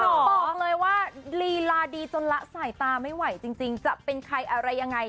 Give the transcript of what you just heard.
บอกเลยว่าลีลาดีจนละสายตาไม่ไหวจริงจะเป็นใครอะไรยังไง